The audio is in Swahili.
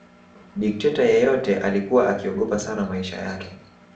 Dikteta yeyote alikuwa akiogopa sana maisha yake